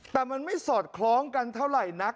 แต่มันไม่สอดคล้องกันเท่าไหร่นัก